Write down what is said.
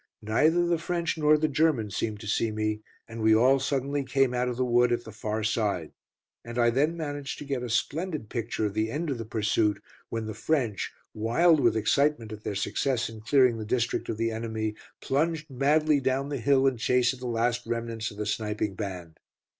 Neither the French nor the Germans seemed to see me, and we all suddenly came out of the wood at the far side, and I then managed to get a splendid picture of the end of the pursuit, when the French, wild with excitement at their success in clearing the district of the enemy, plunged madly down the hill in chase of the last remnants of the sniping band.